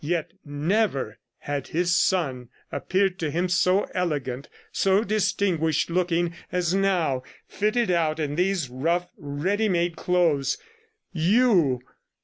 Yet never had his son appeared to him so elegant, so distinguished looking as now, fitted out in these rough ready made clothes. "You!